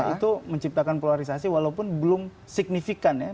itu menciptakan polarisasi walaupun belum signifikan ya